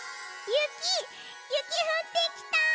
ゆきふってきた！